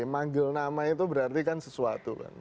manggil nama itu berarti kan sesuatu kan